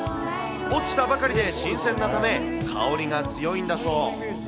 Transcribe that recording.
落ちたばかりで新鮮なため、香りが強いんだそう。